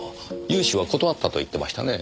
融資は断ったと言ってましたね。